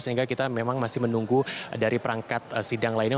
jadi kita memang masih menunggu dari perangkat sidang lainnya